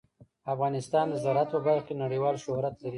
افغانستان د زراعت په برخه کې نړیوال شهرت لري.